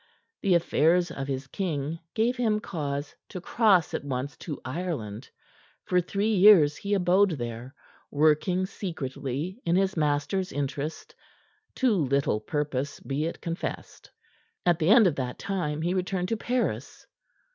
The affairs of his king gave him cause to cross at once to Ireland. For three years he abode there, working secretly in his master's interest, to little purpose be it confessed. At the end of that time he returned to Paris.